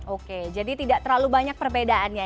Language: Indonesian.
oke jadi tidak terlalu banyak perbedaan ya